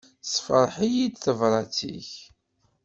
Tessefṛeḥ-iyi-d tebrat-ik.